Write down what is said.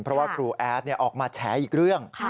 เพราะว่าครูแอดออกมาแฉอีกเรื่อง